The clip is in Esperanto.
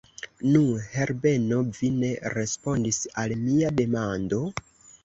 Nu, Herbeno, vi ne respondis al mia demando?